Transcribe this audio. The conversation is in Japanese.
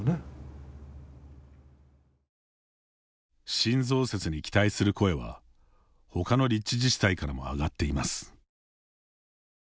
新増設に期待する声は他の立地自治体からも上がっています。